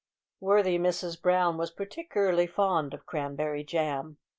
Worthy Mrs Brown was particularly fond of cranberry jam.